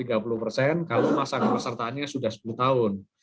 kalau masa kepesertaannya sudah sepuluh tahun